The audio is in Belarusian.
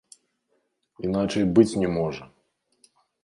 Іначай быць не можа!